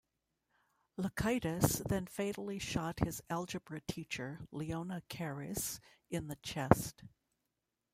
Loukaitis then fatally shot his algebra teacher Leona Caires in the chest.